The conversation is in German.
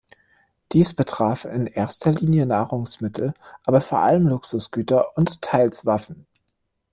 Dies betraf in erster Linie Nahrungsmittel, aber vor allem Luxusgüter und teils Waffen.